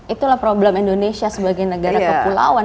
itulah problem indonesia sebagai negara kepulauan